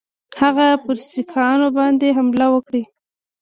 هغه پر سیکهانو باندي حمله وکړي.